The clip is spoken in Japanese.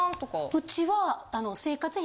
うちは。